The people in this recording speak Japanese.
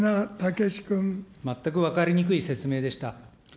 全く分かりにくい説明でした。